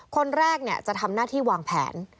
คนแรกจะทำหน้าที่วางแผน